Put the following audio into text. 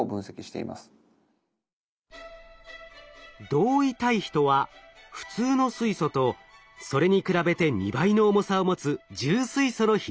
同位体比とは普通の水素とそれに比べて２倍の重さを持つ重水素の比率のこと。